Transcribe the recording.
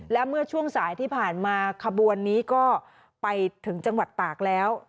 และเมื่อช่วงสายที่ผ่านมาขบวนนี้ก็ไปถึงจังหวัดตากแล้ว